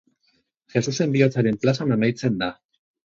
Jesusen Bihotzaren plazan amaitzen da.